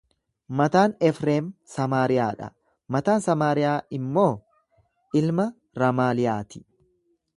Mataan Efreem Samaariyaa dha, mataan Samaariyaa immoo ilma Ramaaliyaa ti.